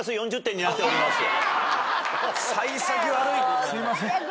すいません。